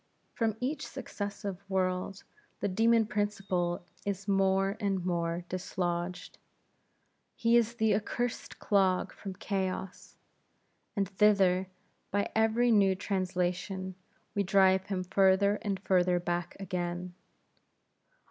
From each successive world, the demon Principle is more and more dislodged; he is the accursed clog from chaos, and thither, by every new translation, we drive him further and further back again.